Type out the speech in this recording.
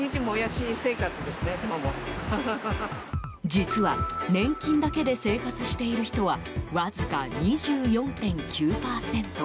実は、年金だけで生活している人はわずか２４．９％。